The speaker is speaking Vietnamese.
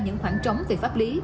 do những khoảng trống về pháp lý